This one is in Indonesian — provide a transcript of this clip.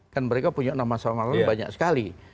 kan mereka punya nama samarannya banyak sekali